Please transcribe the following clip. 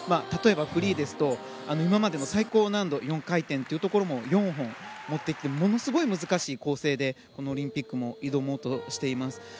例えばフリーですと今までの最高難度４回転というところも４本持ってきてものすごい難しい構成でこのオリンピックも挑もうとしています。